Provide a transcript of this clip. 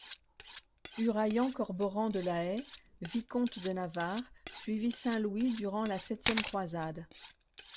Hurayian Corboran de Lahet, vicomte de Navarre, suivit Saint Louis durant la septième croisade.